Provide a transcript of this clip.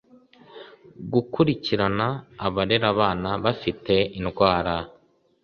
gukurikirana abarera abana bafite indwara